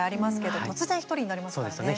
突然１人になりますものね。